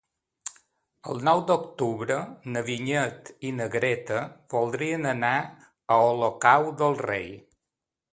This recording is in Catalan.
El nou d'octubre na Vinyet i na Greta voldrien anar a Olocau del Rei.